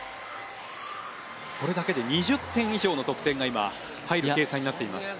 これだけで２０点以上の得点が今入る計算になっています。